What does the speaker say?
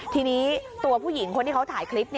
ทีนี้ตัวผู้หญิงคนที่เขาถ่ายคลิป